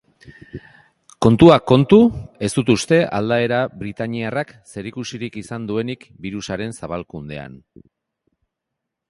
Kontuak kontu, ez du uste aldaera britainiarrak zerikusirik izan duenik birusaren zabalkundean.